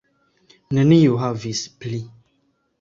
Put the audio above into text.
Neniu havis pli.